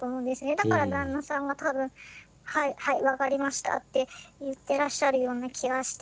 だから旦那さんが多分「はいはい分かりました」って言ってらっしゃるような気がして。